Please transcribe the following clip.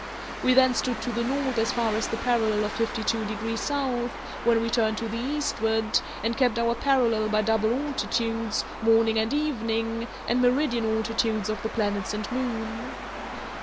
We then stood to the north as far as the parallel of fifty two degrees south, when we turned to the eastward, and kept our parallel by double altitudes, morning and evening, and meridian altitudes of the planets and moon.